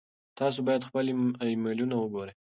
تاسو باید خپل ایمیلونه وګورئ.